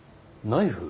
ナイフ？